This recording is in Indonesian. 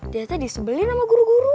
ternyata disebelin sama guru guru